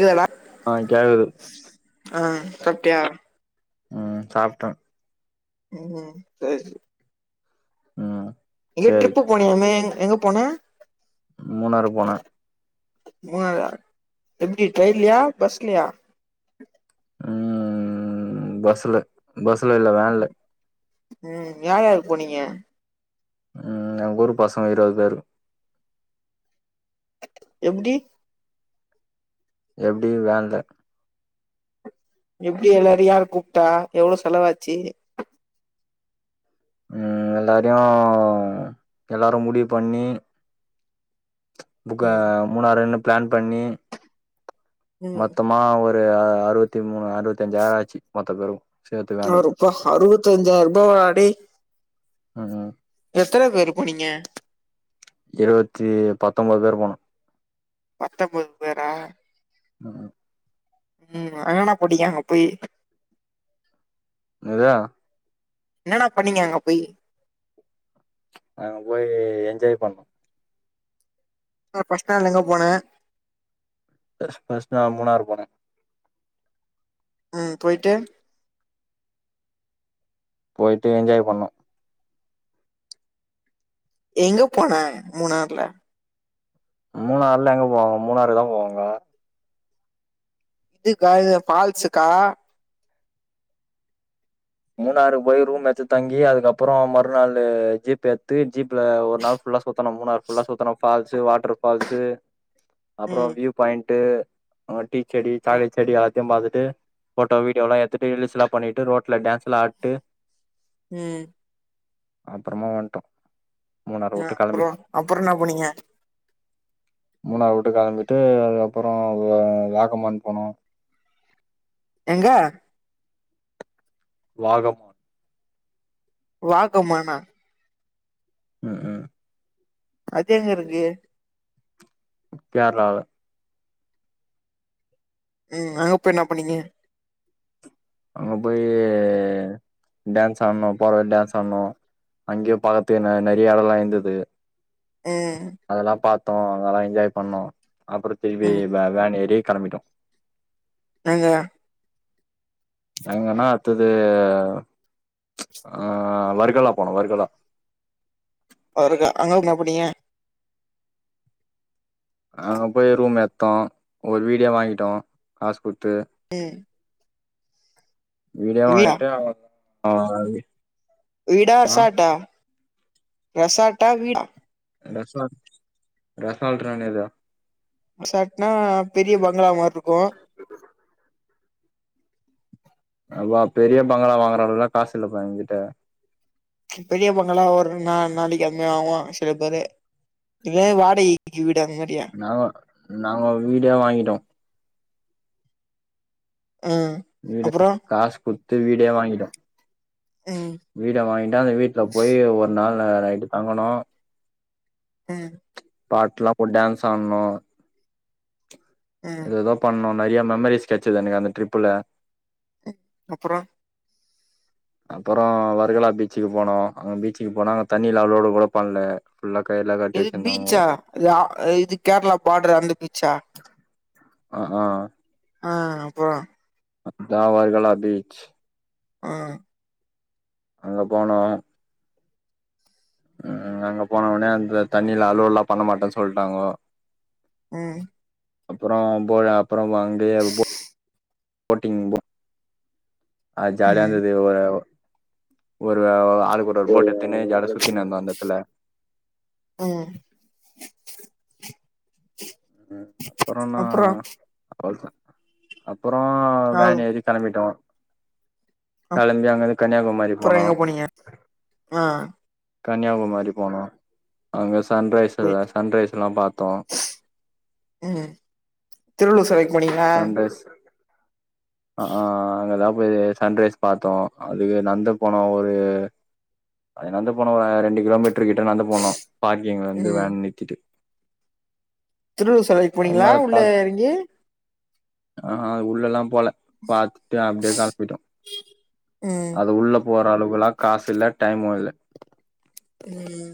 இல்டா ஆ கேக்குது ஆ சாப்டியா ம் சாப்டே ஒ ஒ சேரி சேரி ம் எங்யோ சேரி டிரிப் போனியாமே எங்க போன மூணாறு போனே மூணறா எப்டி ட்ரைன்லையா பஸ்லயா ம் பஸ்ல பஸ்ல இல்ல வேன்ல போனிங்க ம் எங்க ஊரு பசங்க இருவது பேரு எப்டி எப்டி வேன்ல எப்டி எல்லாரு யார் கூப்டா எவ்ளோ செலவாச்சி ம் எல்லாரையு எல்லாரு முடிவு பண்ணி புக்க ம் மூணாறுன்னு பிளான் பண்ணி ம் மொத்தமா ஒர் ஆ அறுவத்தி மூணு ஆள் இருவத்தஞ்சாயிரோ ஆச்சி மொத்த பேரும் அ ரூப்பா அறுவத்தஞ்சாயிர ரூபாவா ஆடி ம் ம் எத்தன பேரு போனிங்க இருவத்தி பத்தொம்பது பேர் போனோ பத்தொம்போது பேரா ம் ம் அங்ன போனீங்க அங்போயி நேது என்னடா பண்ணிங்க அங்க போயி அங்க போயி என்ஜாய் பண்ணோ பஸ்ட் அங்க எங்க போனே பஸ்ட் நா மூணாறு போனே உம் போயிட்டு போயிட்டு என்ஜாய் பண்ணோ எங்க போனா மூணாறுல மூணாறுல எங்க போவாங்க மூணாறுதா போவாங்க இதுக்கா இல்ல ஃபால்ஸ்கா மூணாறு போய் ரூம் எத்து தங்கி அதுக்கப்பறொம் மறுநாளு ஜீப் எத்து ஜீப்ல ஒரு நாள் ஃபுல்லா சுத்தனும் மூணாறு ஃபுல்லா சுத்தனும் ஃபால்ஸு வாட்ர் ஃபால்ஸு அப்பறொ ம் வியூ பாயிண்ட் ட்டு அவ டீ செடி ம் சாக்லெட் செடி ஆத் தெம் பாத்துட்டு ஃபோட்டோ வீடியோலா எடுத்துட்டு ரீல்ஸ்ல்லா பண்ணிட்டு ரோட்ல டான்ஸ் விளாட்டு ம் அப்பறமா வன்ட்டோ ங்க அப்புறொ அப்புறொ என்ன போனீங்க மூணாறு வுட்டு கெளம்பிட்டு அதுக்கப்பறொ வ வாகமான் போனோ எங்க வாகம் வாகமனா ம் ஹூ அது எங்க இருக்கு கேரளால உம் அங்கப்போய் என்னாப் பண்ணீங்க அங்க போய் டான்ஸ் ஆடுனோ போற வழில டான்ஸ் ஆடுனோ அங்கேயே பாக்கத்துக் நெ நிறைய எடல்லா இருந்துது ம் த்தோ நல்லா என்ஜாய் பண்ணோ அப்பறந் திரும்பி ம் வே வேன் ஏறி கெளம்பிட்டோ நேங்க எங்கனா அடுத்தது ச் ஆஹ் வர்கலா போனோ வர்கலா வர்கா அங்களுமா போனீங்க அங்க போய் ரூம் எத்தோ ஒரு வீடே வாங்கிட்டோ காசு குடுத்து ஹ் வீடே வாங்கிட்டு [unintelligible] வீடா ஆ ரெசாட்டா ரெசாட்டா வீடா ரெசாட் ரெசால்ட்னா என்னதுறா ரெசாட்னா பெரிய பங்களா மாரி ருக்கு அபா பெரிய பங்களா வாங்குற அளவுலா காசு இல்லப்பா என்கிட்ட பெரிய பங்களா ஒரு நா நாளைக்கு [unintelligible] ஆவான் சில பேரு இதே வாடகைக்கு வீ நாங்கோ நாங்கோ வீடே வாங்கிட்டோ ம் வீட அப்றோ காசு குட்த்து வீடே வாங்கிட்டோ ம் வீட வாங்கிட்டா அந்த வீட்டுல போய் ஒரு நாள் ல நைட்டு தங்கணும் உம் பாட்லாம் போட்டு டேன்ஸ் ஆடுனும் ம் எதஎதோ பண்ணோம் நறயா மெமரிஸ் கெச்சது எனக்கு அந்த ட்ரிப்பல அப்புறம் அப்புறம் வருகலா பீச்சுக்கு போனோம் அங்க பீச்சுக்கு போனா அங்க தண்ணில அளோடு கூட பண்ணல இது பீச்சா ஆ இது கேரளா பார்டரு அந்த பீச்சா ஆஹ் ஆஹ் ஆஹ் அப்புறம் தாவர்கலா பீச் ஹ்ம் அங்க போனோம் உஹ் அங்க போனோனே அந்த தண்ணியில அலோட்லாம் பண்ண மாட்டன்னு சொல்லிட்டாங்கோ உம் அப்புறம் போழாப் அப்புறம் ஓன் டே போ போட்டிங் போ அது ஜாலியா ம் இருந்தது ஒரு ஒருவே [unintelligible] ஆளுக்கு ஒரு ஒரு போட் எத்துனு ஜாலியா சுத்தினு இருந்தோம் அந்த எத்துல ம் உம் அப்புறன்னா அப்புறோ அவ்ளோதான் அப்புறம் ஆவ் வேன் ஏறி கெளம்பிட்டோம் களம்பி அங்கிருந்து அப்புறம் எங்க போனீங்க ஆஹ் கன்னியாகுமரி போனோம் அங்க சன் ரைஸ் இல்ல சன்ரைஸ்லாம் பாத்தோம் உம் திருவள்ளுவர் செலை போனிங்களா ஆஹ் ஆஹ் அங்கதான் போயி சன்ரைஸ் பாத்தோம் அதுக்கு நந்து போனோம் ஒரு அது நந்து போனோம் ஒரு ரெண்டு கிலோ மீட் டர் கிட்ட நந்து போனோம் பார்க்கிங்லந்து வேன் நிருத்திட்டு திருவ செலைக்கு போனீங்களா உள்ள இறங்கி அஹ் உள்ளலா போல பாத்துட்டு அப்டியே கெலம்பிட்டோ ம் அது உள்ள போற அளவுலா காசு இல்ல டைமு இல்ல ஹும்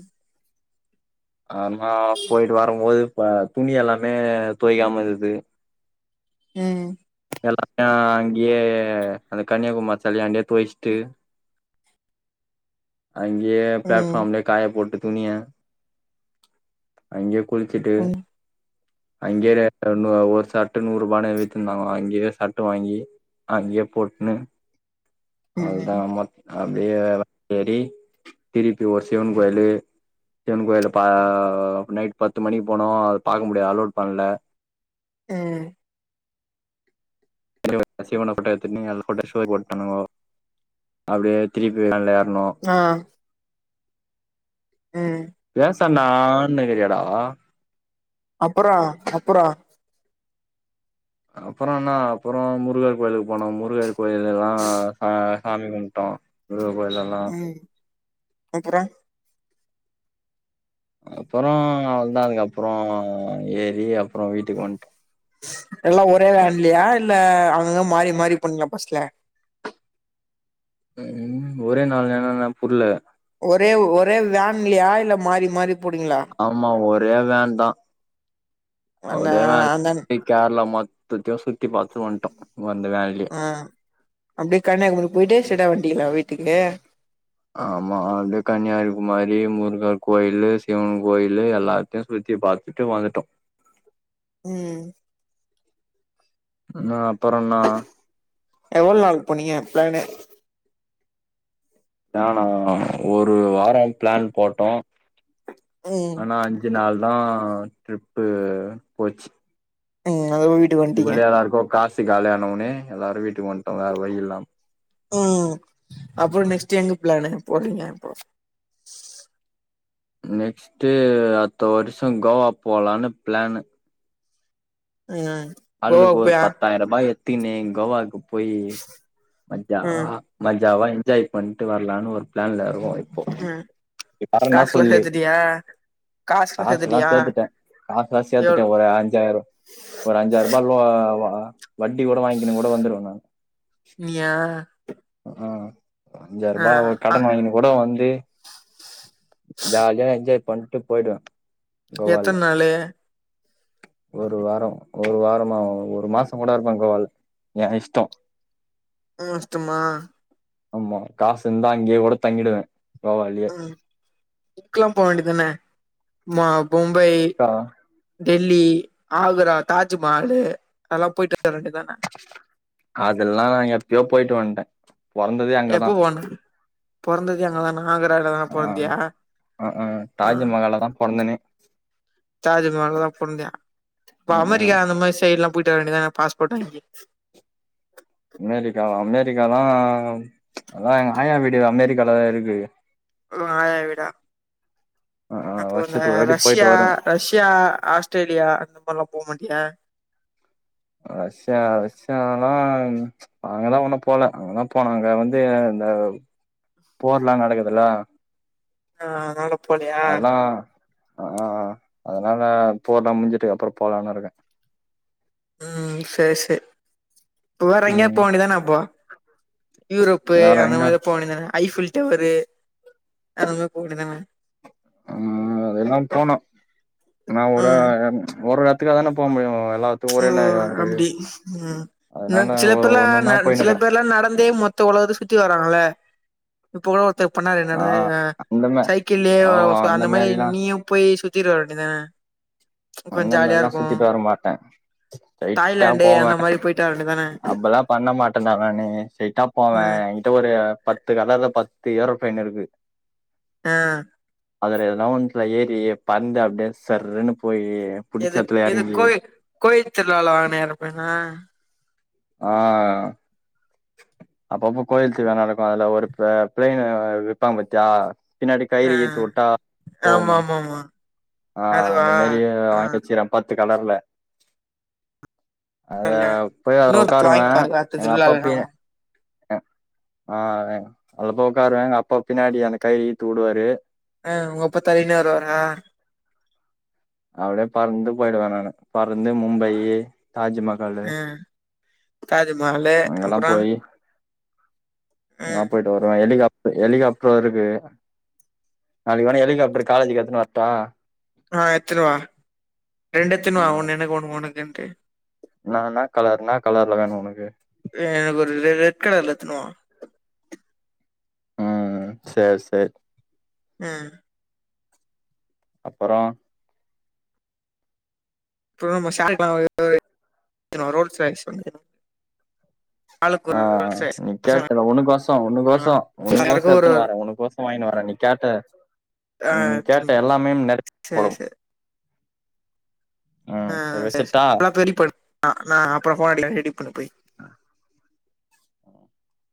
ஆமா போயிட்டு வரம்போது இப்ப துணியெல்லாமே துவைக்காம இருக்குது ஹும் எல்லாமே அங்கியே அந்த கன்னியாகுமாரி செலையாண்டே துவச்சுட்டு அங்கியே ம் பிளாட்ஃபாம்ல காய போட்டு துணிய அங்கே குளிச்சிட்டு ம் அங்கியே ஒரு சர்ட் நூறு ரூபானு வித்திருந்தாங்கல அங்கியே சர்ட் வாங்கி அங்கியே போட்டுன்னு அது ம் தான் ம அப்டியே [unintelligible] திருப்பி ஒரு சிவன் கோயிலு சிவன் கோயில ப நைட் பத்து மணிக்கு போனோ அத பாக்க முடியல அலோட் பண்ணல ஹும் [inaudible] சிவன போட்டோ எடுத்து [inaudible] அப்டியே [unintelligible] திருப்பி நல்ல ஆஹ் ஹும் பேசண்ணான்னு இருக்கிறியாடா அப்படா அப்படா அப்புற என்னா அப்புற முருகர் கோயிலுக்கு போனோ முருகன் கோயில எல்லா சாமி கும்டோம் ஹும் அப்புறம் அப்புற அவ்ளதா அதுக்கு அப்புற ஏறி அப்புற வீட்டுக்கு வந்ட் எல்லா ஒரே வேன்லியா இல்ல அங்கங்க மாறி மாறி போணிங்கலா பஸ்ல ஹும் ஒரே நால [unintelligible] புரியல ஒரே ஒரே வேன்லியா இல்ல மாறி மாறி போனீங்களா ஆமா ஒரு ரே வேன் தான் அந்த ஒரே அந்த மாரி கேரள மொத் சுத்தோ சுத்தி பார்த்து வன்ட்டோ ஆஹ் அப்டியே கன்னியாகுமரி போயிட்டு ஸ்டைடா வண் வன்டிங்கிளா வீட்டுக்கு ஆமா வந்து கன்னியாகுமாரி முருக கோயிலு சிவன் கோயிலு எல்லாத்தையு சுத்தி பார்த்துட்டு வந்துட்டோ ஹும் இன்னும் அப்புறம்ண்ணா எவ்வளோ நாள் போனீங்க பிளான்னு நானா ஒரு வாரம் பிளான் போட்டோம் ம் ஆனா அஞ்சு நாள் தான் ட்ரிப்பு போச்சு அ அதுகப வீட்டுக் வந்ட்டிங்க இதுக்குள்ளயே எல்லாருக்கு காசு காலியான ஒனே எல்லாரு வீட்டுக் வந்ட்டோ வேற வழி இல்லாம் உம் அப்புற நெக்ஸ்ட் எங்க பிளானு போட்டீங்க இப்போ நெக்ஸ்ட்டு அத்த வர்ஷோ கோவா போலானு பிளானு அ கோவா [unintelligible] தினே கோவாக்கு போயி மஜாவா ம் மஜ் ஜாவா என்ஜாய் பண்ட்டு வர்லானு ஒரு பிளான்ல இ போ இப்போ ம் இ பரன்னா காசுலா சொல்லு சேத்துட்டியா காசுலா காசுல்லா சேத்துட்டியா சேத்துட்டே காசுலா சேத்துட்டே எவ்ளோ ஒரு அஞ்சாய்ரோ ஒரு அஞ்சாயிரம் ஆ வா வண்டி கூட வாய்ங்கினு கூட வந்துருவே நானு நீயா ம்ஹூ ஆ அஞ்சாயிரபா ஒரு அ கடன் வாங்கினு கூட வந் ட்டு ஜாலியா என்ஜாய் பண்ட்டு போய்டுவே கோவால்ல எத்தன் நாளு ஒரு வாரோ ஒரு வார் ப்பறமா ஒரு மாசங்கூட இருப்பே கோவால் எ இஷ்டொ உ இஷ்டம்மா ஆமா காசு இந்தா அங்கியே கூட தங்கிடுவே கோவாலயே உம் இக்லா போ வேண்டி தான மா பும்பை ஆ டெல்லி ஆக்ரா தாஜ்மஹாலு அதல்லா போய்ட்டு அதெல்லா நாங் எப்பியோ போய்ட்டு வந்ட்டே பொறந்ததே அங்கதா எப்ப போன்து பொறந்ததே அங்கதானா ஆக்ரால தானா ஆ பொறந்தியா ஆ ஆ ம் தாஜ்மஹால்ல தா பொறந்தனே தாஜ்மஹால்லதா பொந்தியா ப்ப ம் ம் அமெரிக்கா அந்த மாரி சைட்லா போய்ட்டு வர வேண்டி தான பாஸ்போட் வாங்கி அமெரிக்காவா அமெரிக்காலா அதல எங்க ஆயா வீடு அமெரிக்காலதா இருக்கு லு ஆயா வீடா ஆ ஆ அப்போ அந்த வருஷத்துக்கு ஒரு வாட்டி ரஷ்யா போயிட்டு வருவே ரஷ்யா ஆஸ்ட்ரேலியா அந்த மார்லா போமாட்டியா ரஷ்யா ரஷ்யாலா அங்கதா உன்னு போல அங்கதா போனு அங்க வந்து இந்த போர்லா நடக்குதுல்ல அ அதனால போலியா அ ஆ ஆ அதனால போர்லா முடிஞ்சுட்டுகு அப்புற போலானு இருகே உம் செரி செ ப்ப வேற எங்கியா ம் போ வேண்டி தான அப்போ யூரோப்பு வேற அந்த எங்க மார போ வெனிதான ஐஃபில் டவரு அது மாரி போக வேண்டிது தான ஆஹ் அதெல்லா தோணும் நா ஒரு ம் ஒரு திருவிழா தானே போ முடியு அத் ஓ அப்டி ம் ந அதனால சில ஒரு பேர்லா ந ஒன்னொன்னா சில போயினுக்கிறே பேர்லாம் நடந்தே மொத்த மொத்த உலகத்தையு சுத்தி வராங்கள்ள இப்ப கூடோ ஒ ஒருத்தர் பண்ணாரே நா நட ஆ அந்தமே சைக்கிள்ளயே ஓ அந்த மாரி மாரிலா நீயும் போய் சுத் சுத்திட்டு வரவேண்டி தானே அந்தம் மாரில்லா சுத்திட்டு வர மாட்டே தாய்லாண்டு அந்த மாரி போயிட்டு வர வேண்டிதானே அப்பில்லா பண்ண மாட்டன்டா நானு ஸ்ட்ரெட்டா போவே ஆ என்கிட்ட ஒரு பத்து கலர்ல பத்து பத்து ஏரோப்ளேன் இருக்கு ஆ அதுல ஏதனா ஒன்னுத்துல ஏறி பறந்து அப்டியே சர்ன்னு போயி எது இது கோயி கோயில் திருவிழால வாங்கினியே அந்தப் பிளைன்னா ஆ அப்பப்போ கோயில் திருவிழா நடக்கு அதுல ஒரு பிளைன் விப்பாங்க பாத்தியா பின்னாடி ஆ கயிறு இழுத்து உட்டா ஆமா போவுமே ஆமா ஆமா ஆ அதுவா அந்த மாரி ஆ வாங்கி வெச்சிருக்க பத்து பத்து கலர்ல அத இல்ல போய் அதல இன்னொரு பத்து ஓக்காருவே வாங்கிப்பாருங்க அடுத்த எங்க அப்பா திருவிழால பி நா வரே அ ஆ அதுல போய் ஒக்காருவே எங்க அப்பா பின்னாடி அந்த கயிற இழுத்து உடுவாரு ஆ உங்க அப்பா தள்ளினே வருவாரா அப்டியே பறந்து போய்டுவே நானு பறந்து மும்பையி ம் தாஜ்மஹாலு அப்புறோ எங்கனா ம் போயிட்டு வருவே ஹெலிகாப் ஹெலிகாப்டரு இருக்கு நாளைக்கு வேனா ஹெலிகாப்டர் காலேஜிக்கு எடுத்துன்னு வரட்டா ஆ எடுத்துனு வா ரெண்டு எடுத்துனு வா ஒன்னு எனக்கு ஒன்னு உனக்குன்னு ஓகே ந ந கலர் ந கலர்ல வேணும் உனக்கு எடுத்துனு வா உம் செர் செர் ஆஹ் அப்பறம் அப்பற நம்ம [unintelligible] ஆளுக்கு ஒரு ஆஹ் ரோல்ஸ் ராய்ஸ் நீ பசங்க கேட்ட உனக்கொச உனக்கொச உனக்கொச எல்லாருக்கும் ஒரு எத்துன்னு ஒரு வரே உனக்கொச வாங்கினு வரே நீ கேட்ட ஆ நீ கேட்ட எல்லாமே [inaudible] ம் ஆஹ் சரி வச்சுட்டா சரி [inaudible] ஆ நா அப்புறம் ஃபோன் அடிக்கிற ரெடி பண்ணு போயி அ